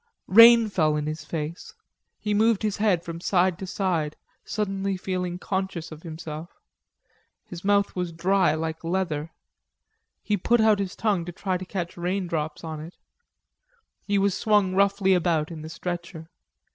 Rain fell in his face. He moved his head from side to side, suddenly feeling conscious of himself. His mouth was dry, like leather; he put out his tongue to try to catch raindrops in it. He was swung roughly about in the stretcher.